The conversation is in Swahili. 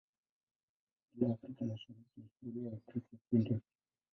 Ila Afrika Mashariki historia ya Ukristo si ndefu.